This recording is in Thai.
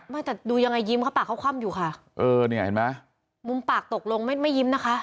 ไม่แต่ดูยังไงยิ้มเขาปากเขาคว่ำอยู่ค่ะเออเนี่ยเห็นไหมมุมปากตกลงไม่ไม่ยิ้มนะคะ